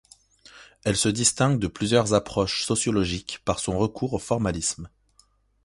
Elle se distingue de plusieurs approches sociologiques par son recours au formalisme.